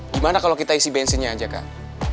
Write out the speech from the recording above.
gimana kalau kita isi bensinnya aja kak